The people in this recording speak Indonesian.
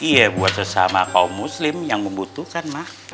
iya buat sesama kaum muslim yang membutuhkan mah